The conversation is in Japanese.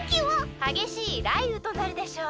はげしいらいうとなるでしょう。